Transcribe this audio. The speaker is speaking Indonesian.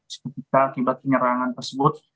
seketika akibat penyerangan tersebut